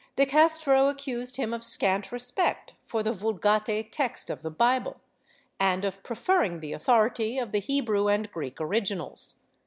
De Castro accused him of scant respect for the Vulgate text of the Bible, and of preferring the authority of the Hebrew and Greek originals.